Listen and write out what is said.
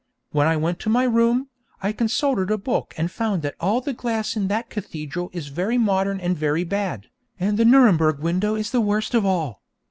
When I went to my room, I consulted a book and found that all the glass in that cathedral is very modern and very bad, and the Nuremberg window is the worst of all.